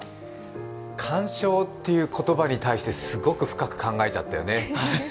干渉という言葉に対してすごく深く考えちゃったよね。